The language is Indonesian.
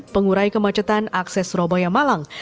pengurai kemacetan akses surabaya malang